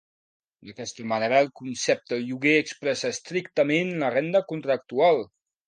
D'aquesta manera el concepte lloguer expressa estrictament la renda contractual.